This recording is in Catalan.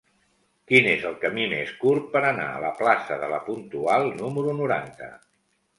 Quin és el camí més curt per anar a la plaça de La Puntual número noranta?